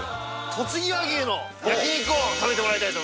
とちぎ和牛の焼肉を食べてもらいたいと思います